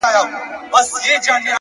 خپل وجدان د پرېکړو لارښود کړئ.